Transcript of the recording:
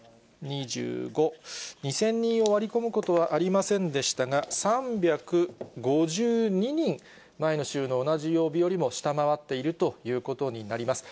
２０００人を割り込むことはありませんでしたが、３５２人、前の週の同じ曜日よりも下回っているということになります。